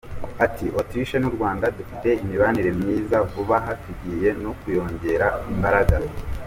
Ati “Autriche n’u Rwanda dufite imibanire myiza, vuba aha tugiye no kuyongerera imbaraga.